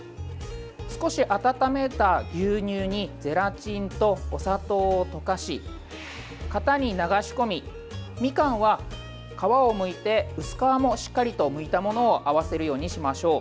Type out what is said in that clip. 少し温めた牛乳にゼラチンとお砂糖を溶かし型に流し込みみかんは皮をむいて薄皮もしっかりとむいたものを合わせるようにしましょう。